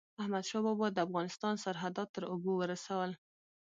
احمدشاه بابا د افغانستان سرحدات تر اوبو ورسول.